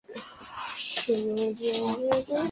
现为江苏省文物保护单位。